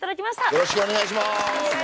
よろしくお願いします。